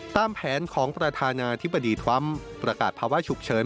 ตามแผนของประธานาธิบดีทรัมป์ประกาศภาวะฉุกเฉิน